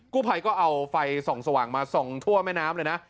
ผู้ภัยก็เอาไฟส่องสว่างมาส่องทั่วแม่น้ำเลยนะ